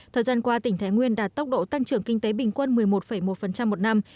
thời gian qua tỉnh thái nguyên đạt tốc độ tăng trưởng kinh tế bình quân một mươi một một năm